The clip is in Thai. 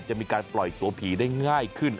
จะมีการปล่อยตัวผีได้ง่ายขึ้น